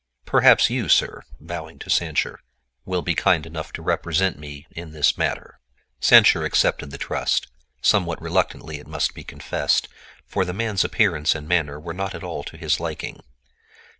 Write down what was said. Perhaps you, sir," bowing to Sancher, "will be kind enough to represent me in this matter." Sancher accepted the trust—somewhat reluctantly it must be confessed, for the man's appearance and manner were not at all to his liking.